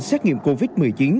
xét nghiệm covid một mươi chín